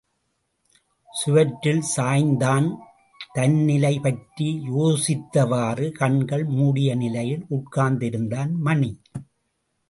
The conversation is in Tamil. சுவற்றில் சாய்ந்தான் தன்நிலையைப்பற்றி யோசித்தவாறு, கண்கள் மூடிய நிலையில் உட்கார்ந்திருந்தான் மணி.